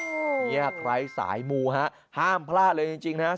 นี่ครับไพรสายมูฮะห้ามพลาดเลยจริงนะครับ